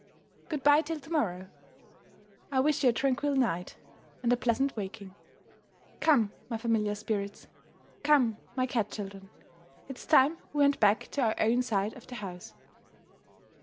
Good by till to morrow! I wish you a tranquil night, and a pleasant waking. Come, my familiar spirits! Come, my cat children! it's time we went back to our own side of the house."